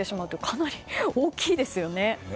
かなり大きいですよね。